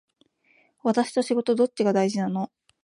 私と仕事どっちが大事なの